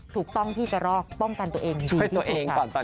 ถูกต้องพี่กระรอกป้องกันตัวเองดีที่สุดค่ะ